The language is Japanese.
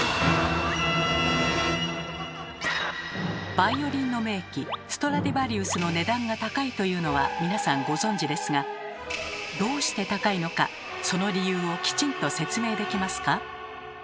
バイオリンの名器ストラディヴァリウスの値段が高いというのは皆さんご存じですがどうして高いのかその理由をきちんと説明できますか？